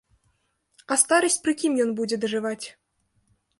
А старасць пры кім ён будзе дажываць?